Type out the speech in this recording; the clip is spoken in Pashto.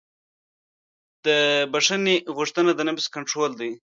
د بښنې غوښتنه د نفس کنټرول دی.